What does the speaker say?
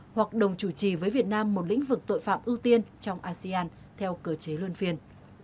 hoặc đồng chủ trì với việt nam một lĩnh vực tội phạm ưu tiên trong asean theo cơ chế luân phiên